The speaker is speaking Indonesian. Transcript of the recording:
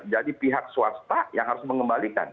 jadi pihak swasta yang harus mengembalikan